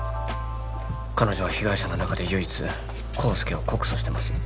彼女は被害者の中で唯一康介を告訴してます